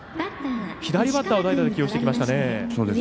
左バッターを代打で起用してきましたね。